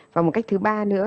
và một cách thứ ba nữa